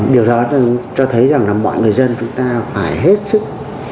điều đó cho thấy rằng là mọi người dân chúng ta phải hết sức